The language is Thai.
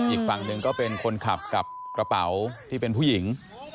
อีกฝั่งหนึ่งก็เป็นคนขับกับกระเป๋าที่เป็นผู้หญิง